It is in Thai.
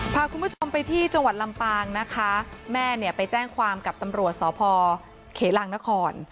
พาคุณผู้ชมไปที่จังหวัดลำปางนะคะแม่เนี่ยไปแจ้งความกับตำรวจสพเขลางนคร